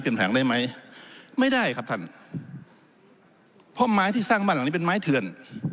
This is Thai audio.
แผงได้ไหมไม่ได้ครับท่านเพราะไม้ที่สร้างบ้านหลังนี้เป็นไม้เถื่อน